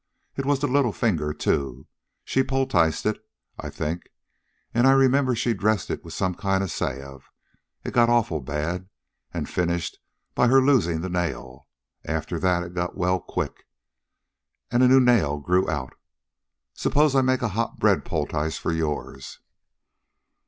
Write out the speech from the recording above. It was the little finger, too. She poulticed it, I think. And I remember she dressed it with some kind of salve. It got awful bad, and finished by her losing the nail. After that it got well quick, and a new nail grew out. Suppose I make a hot bread poultice for yours."